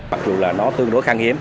mặc dù là nó tương đối khang hiếm